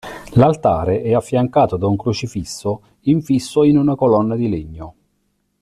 L'altare è affiancato da un "Crocifisso" infisso in una colonna di legno.